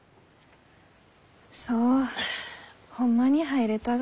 そうホンマに入れたが。